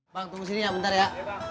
bang tunggu sini ya bentar ya